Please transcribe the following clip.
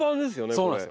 そうなんです。